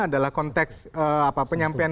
adalah konteks penyampaian